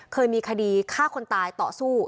เคยมีคดีฆ่าคนตายต่อสู้